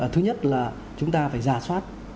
thứ nhất là chúng ta phải giả soát